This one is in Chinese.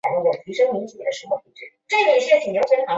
美国职棒大联盟中国赛共有两场比赛。